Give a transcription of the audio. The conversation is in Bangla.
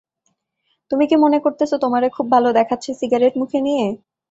তুমি কি মনে করতেছো, তোমাকে খুব ভালো দেখাচ্ছে সিগারেট মুখে নিয়ে?